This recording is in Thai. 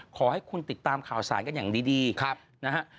ขอให้คุณติดตามข่าวสารกันอย่างดีนะฮะ